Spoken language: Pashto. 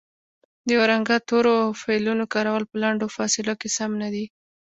د یو رنګه تورو او فعلونو کارول په لنډو فاصلو کې سم نه دي